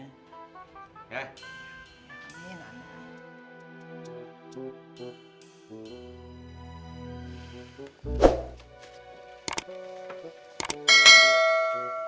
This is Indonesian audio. ya makasih mak